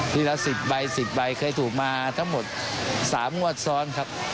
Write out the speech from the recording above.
ละ๑๐ใบ๑๐ใบเคยถูกมาทั้งหมด๓งวดซ้อนครับ